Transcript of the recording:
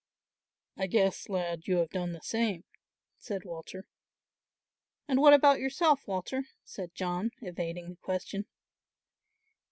"I guess, lad, you have done the same," said Walter. "And what about yourself, Walter?" said John, evading the question.